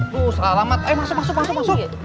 tuh salah alamat ayo masuk masuk